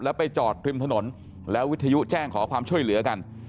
แล้วไปจอดริมถนนแล้ววิทยุแจ้งขอความช่วยเหลือกัน